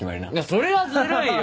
それはズルいよ